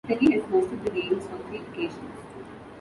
Italy has hosted the Games on three occasions.